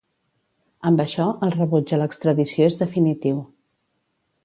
Amb això el rebuig a l’extradició és definitiu.